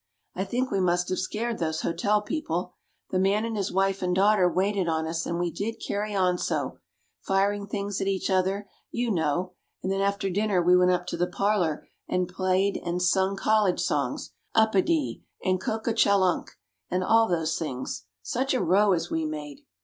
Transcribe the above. I think we must have scared those hotel people. The man and his wife and daughter waited on us, and we did carry on so firing things at each other, you know; and then after dinner we went up in the parlor and played and sung college songs, 'Upidee' and 'Cocachalunk,' and all those things. Such a row as we made!